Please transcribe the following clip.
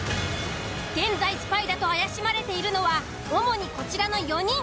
現在スパイだと怪しまれているのは主にこちらの４人。